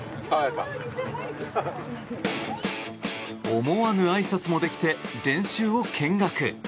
思わぬあいさつもできて練習を見学。